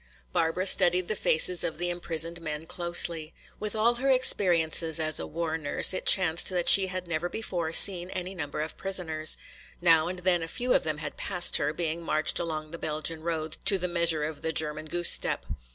Barbara studied the faces of the imprisoned men closely. With all her experiences as a war nurse it chanced she had never before seen any number of prisoners. Now and then a few of them had passed her, being marched along the Belgian roads to the measure of the German goose step.